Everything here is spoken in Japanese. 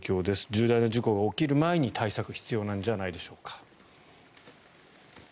渋滞な事故が起きる前に対策が必要ではないでしょうか。